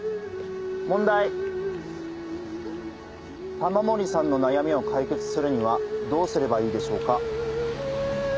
玉森さんの悩みを解決するにはどうすればいいでしょうか？